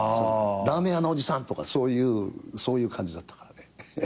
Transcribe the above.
「ラーメン屋のおじさん」とかそういう感じだったからね。